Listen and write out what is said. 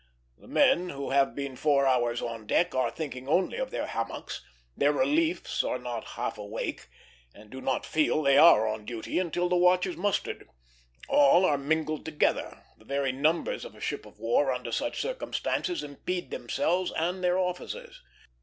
The men who have been four hours on deck are thinking only of their hammocks; their reliefs are not half awake, and do not feel they are on duty until the watch is mustered. All are mingled together; the very numbers of a ship of war under such circumstances impede themselves and their officers.